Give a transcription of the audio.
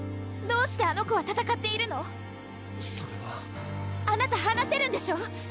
どうしてあの子は戦っているの⁉それはあなた話せるんでしょう